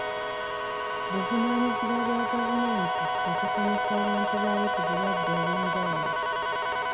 Buvunaanyizibwa bwa gavumenti okusomesa abantu baayo ku bulwadde obw'enjawulo.